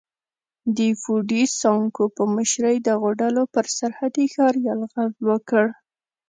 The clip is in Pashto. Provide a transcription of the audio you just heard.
د فوډي سانکو په مشرۍ دغو ډلو پر سرحدي ښار یرغل وکړ.